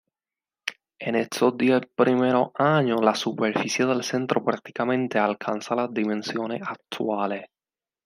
En estos diez primeros años, la superficie del centro prácticamente alcanza las dimensiones actuales.